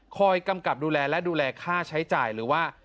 กำกับดูแลและดูแลค่าใช้จ่ายหรือว่า